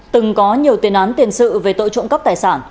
từng có nhiều tiền án tiền sự về tội trộm cắp tài sản